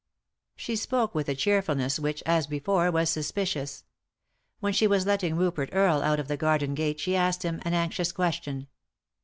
She spoke with a cheerfulness which, as before, was suspicious. When she was letting Rupert Earle out of the garden gate she asked him an anxious question.